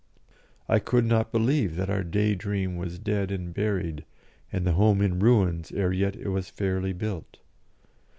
I could not believe that our day dream was dead and buried, and the home in ruins ere yet it was fairly built.